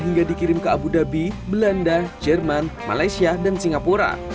hingga dikirim ke abu dhabi belanda jerman malaysia dan singapura